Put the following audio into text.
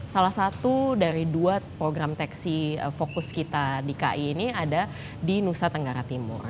salah satu dari dua program teksi fokus kita di ki ini ada di nusa tenggara timur